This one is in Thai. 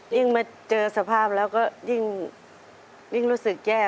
มาเจอสภาพแล้วก็ยิ่งรู้สึกแย่